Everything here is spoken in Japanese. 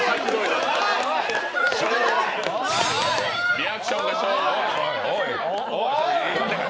リアクションが昭和。